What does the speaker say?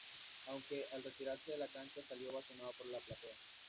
Aunque al retirarse de la cancha salió ovacionado por la platea.